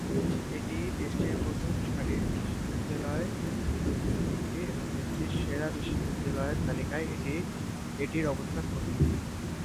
এটি দেশটির প্রথম সারির বিশ্ববিদ্যালয়গুলোর মধ্যে একটি, এবং দেশটির সেরা বিশ্ববিদ্যালয়ের তালিয়ায় এটির অবস্থান প্রথমে।